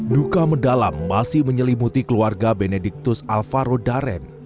duka mendalam masih menyelimuti keluarga benediktus alvaro daren